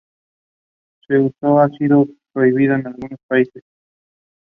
The following morning the gang catches up.